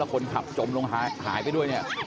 คนขับจมลงหายไปด้วยเนี่ย